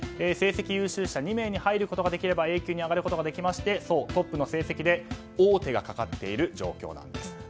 成績優秀者２名に入ることができればＡ級に入ることができましてトップの成績で王手がかかっている状況なんです。